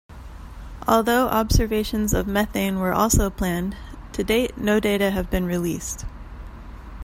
Although observations of methane were also planned, to date no data have been released.